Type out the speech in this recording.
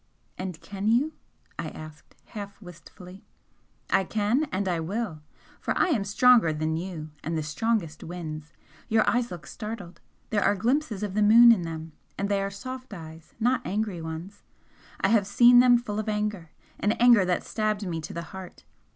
"And can you?" I asked, half wistfully. "I can! And I will! For I am stronger than you and the strongest wins! Your eyes look startled there are glimpses of the moon in them, and they are soft eyes not angry ones. I have seen them full of anger, an anger that stabbed me to the heart!